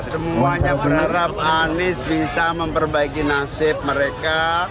semuanya berharap anies bisa memperbaiki nasib mereka